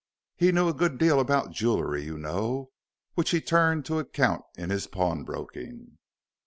He knew a good deal about jewellery, you know, which he turned to account in his pawnbroking."